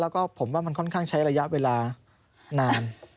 แล้วก็ผมว่ามันค่อนข้างใช้ระยะเวลานาน